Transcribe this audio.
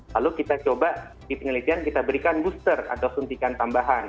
lalu kita coba di penelitian kita berikan booster atau suntikan tambahan